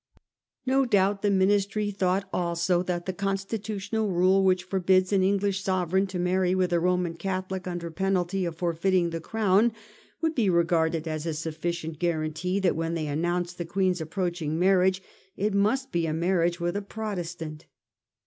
No doubt the Ministry thought also that the constitutional rule which forbids an English sovereign to marry with a Roman Catholic under penalty of forfeiting the crown, would be regarded as a sufficient guarantee that when they ann ounced the Queen's approaching marriage it must be a marriage with a Protestant.